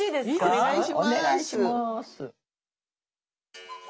お願いします。